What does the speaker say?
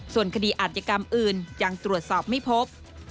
ส่วนคดีอาจยกรรมอื่นยังตรวจสอบไม่พบ